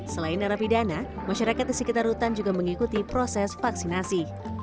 selain narapidana masyarakat di sekitar rutan juga mengikuti proses vaksinasi